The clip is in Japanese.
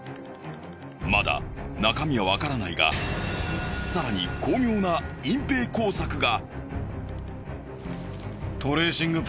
まだ中身はわからないが更に巧妙な隠ぺい工作が！